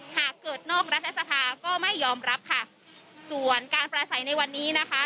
หากเกิดนอกรัฐสภาก็ไม่ยอมรับค่ะส่วนการประสัยในวันนี้นะคะ